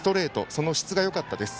その質がよかったです。